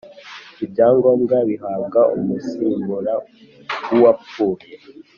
ibya ngombwa bihabwa umusimbura wuwa pfuye